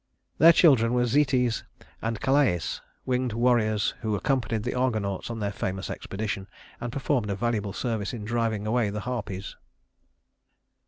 Their children were Zetes and Calais winged warriors who accompanied the Argonauts on their famous expedition, and performed a valuable service in driving away the Harpies.